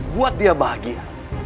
buat dia bahagia